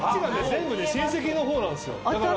全部ね親戚の方なんですよ。